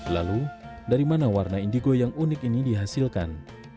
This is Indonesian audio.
lalu dari mana warna indigo yang unik ini dihasilkan